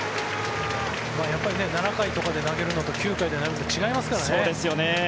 やっぱり７回で投げるのと９回で投げるのは違いますからね。